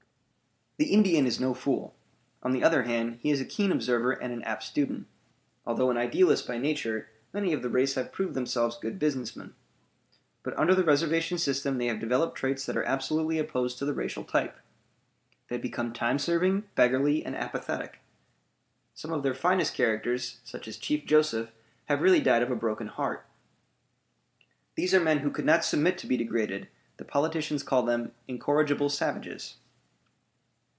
The Indian is no fool; on the other hand, he is a keen observer and an apt student. Although an idealist by nature, many of the race have proved themselves good business men. But under the reservation system they have developed traits that are absolutely opposed to the racial type. They become time serving, beggarly, and apathetic. Some of their finest characters, such as Chief Joseph, have really died of a broken heart. These are men who could not submit to be degraded; the politicians call them "incorrigible savages."